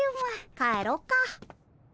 帰ろっか。